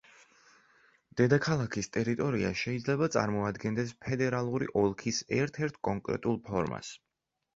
დედაქალაქის ტერიტორია შეიძლება წარმოადგენდეს ფედერალური ოლქის ერთ-ერთ კონკრეტულ ფორმას.